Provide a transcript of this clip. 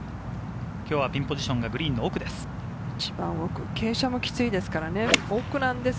今日はピンポジションがグリーン奥です。